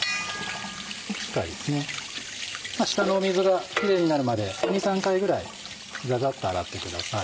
下の水がきれいになるまで２３回ぐらいザザっと洗ってください。